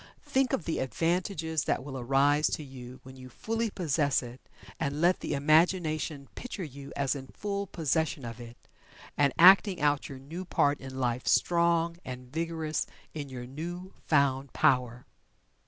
Think of the advantages that will arise to you when you fully possess it, and let the imagination picture you as in full possession of it, and acting out your new part in life strong and vigorous in your new found power.